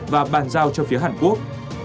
và bàn giao cho phía hàn quốc